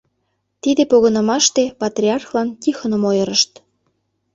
Тиде погынымаште патриархлан Тихоным ойырышт.